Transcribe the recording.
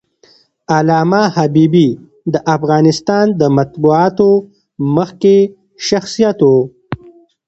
علامه حبيبي د افغانستان د مطبوعاتو مخکښ شخصیت و.